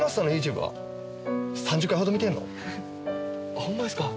ホンマですか。